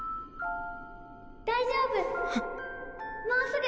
大丈夫。